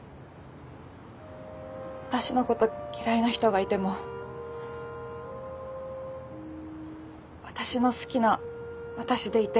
私のこと嫌いな人がいても私の好きな私でいて。